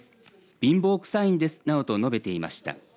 貧乏くさいんですなどと述べていました。